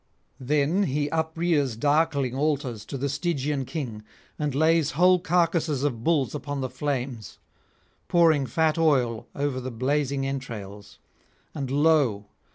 Then he uprears darkling altars to the Stygian king, and lays whole carcases of bulls upon the flames, pouring fat oil over the blazing entrails. And lo!